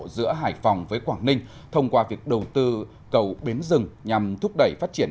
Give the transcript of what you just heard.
giữa hải phòng với quảng ninh thông qua việc đầu tư cầu bến rừng nhằm thúc đẩy phát triển